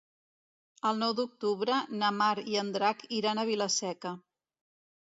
El nou d'octubre na Mar i en Drac iran a Vila-seca.